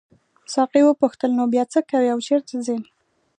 ساقي وپوښتل نو بیا څه کوې او چیرته ځې.